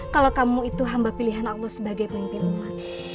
kalau kamu itu hamba pilihan allah sebagai pemimpin umat